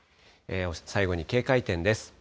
最後に警戒点です。